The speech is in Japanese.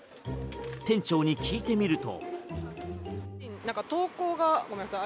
店長に聞いてみると。